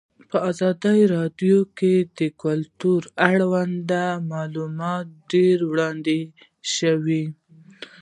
په ازادي راډیو کې د کلتور اړوند معلومات ډېر وړاندې شوي.